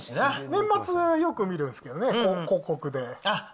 年末よく見るんですけどね、広告で。